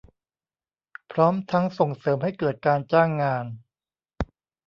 พร้อมทั้งส่งเสริมให้เกิดการจ้างงาน